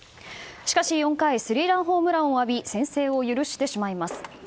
しかし４回スリーランホームランを浴び先制を許してしまいます。